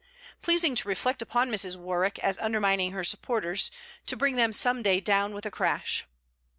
Pleasing to reflect upon Mrs. Warwick as undermining her supporters, to bring them some day down with a crash!